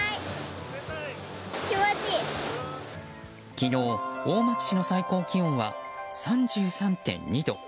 昨日、大町市の最高気温は３３．２度。